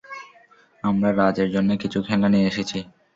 আমরা রাজ- এর জন্যে কিছু খেলনা নিয়ে এসেছি।